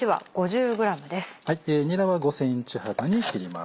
にらは５ｃｍ幅に切ります。